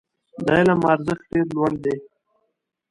د علم ارزښت ډېر لوړ دی.